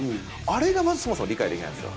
あれがそもそも理解できないんです。